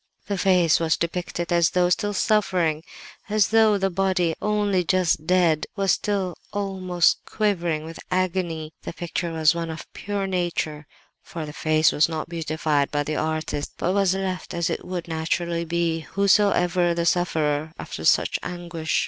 "The face was depicted as though still suffering; as though the body, only just dead, was still almost quivering with agony. The picture was one of pure nature, for the face was not beautified by the artist, but was left as it would naturally be, whosoever the sufferer, after such anguish.